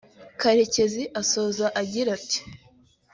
Karekezi asoza agira ati